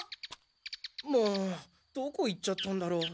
もうどこ行っちゃったんだろう？